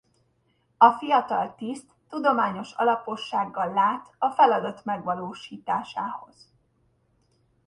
A fiatal tiszt tudományos alapossággal lát a feladat megvalósításához.